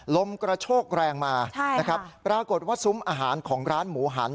ลมกระโชกแรงมานะครับปรากฏว่าซุ้มอาหารของร้านหมูหัน